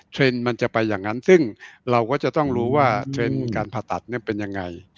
เทรนด์มันจะไปอย่างนั้นซึ่งเราก็จะต้องรู้ว่าเทรนด์การผ่าตัดเป็นยังไง